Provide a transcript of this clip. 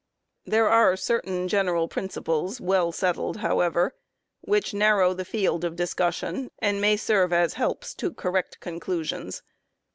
There are cer tain general principles, well settled, however, which narrow the field of discussion, and may serve as helps to correct conclusions.